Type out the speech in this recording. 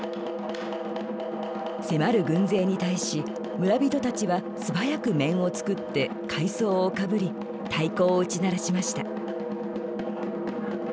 迫る軍勢に対し村人たちは素早く面を作って海藻をかぶり太鼓を打ち鳴らしました。